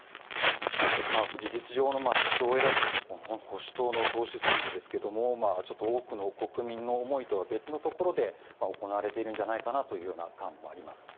事実上の首相を選ぶ保守党の党首選挙ですがちょっと多くの国民の思いとは別のところで行われているんじゃないかなという感があります。